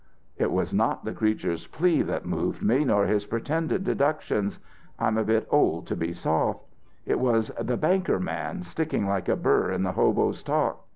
"It was not the creature's plea that moved me, nor his pretended deductions; I'm a bit old to be soft. It was the 'banker man' sticking like a bur in the hobo's talk.